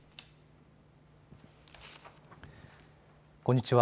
こんにちは。